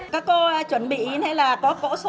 các người gốc